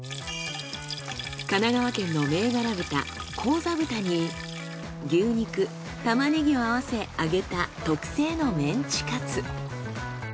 神奈川県の銘柄豚高座豚に牛肉タマネギを合わせ揚げた特製のメンチカツ。